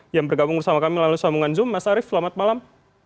yang bergabung bersama kami melalui sambungan zoom mas arief selamat malam